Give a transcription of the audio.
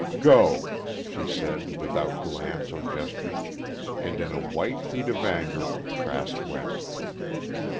"Go," she said, without glance or gesture. And in a white heat of anger, Trask went.